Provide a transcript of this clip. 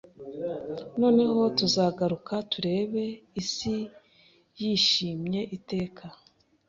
Noneho tuzagaruka turebe Isi yishimye Iteka